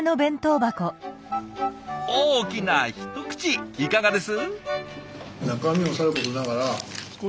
大きな一口いかがです？